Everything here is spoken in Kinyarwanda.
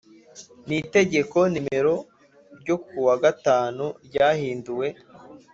n Itegeko nomero ryo ku wa gatanu ryahinduwe